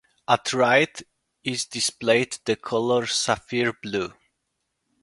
At right is displayed the color sapphire blue.